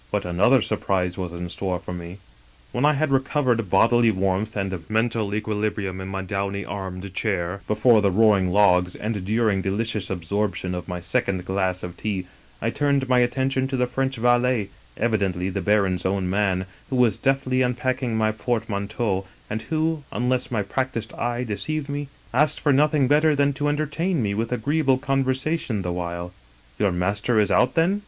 But another surprise was in store for me. " When I had recovered bodily warmth and mental equi librium in my downy armchair, before the roaring logs, and during the delicious absorption of my second glass of tea, I turned my attention to the French valet, evidently the baron's own man, who was deftly unpacking my port manteau, and who, unless my practiced eye deceived me, asked for nothing better than to entertain me with agree able conversation the while. "' Your master is out, then